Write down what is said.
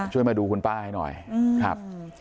ช่วยมาดูคุณป้าให้หน่อยครับ